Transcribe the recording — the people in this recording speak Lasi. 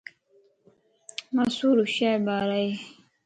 مصور ھوشيار ٻارائي